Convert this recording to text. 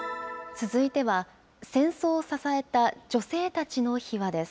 続いては、戦争を支えた女性たちの秘話です。